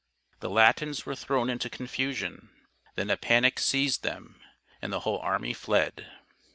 The Latins were thrown into confusion ; then a panic seized them and the whole army fled.